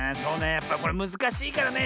やっぱりこれむずかしいからね